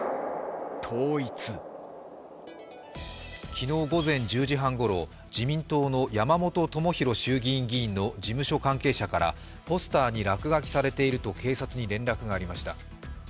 昨日午前１０時半ごろ、自民党の山本朋広衆議院議員の事務所関係者からポスターに落書きされていると警察に連絡がありました。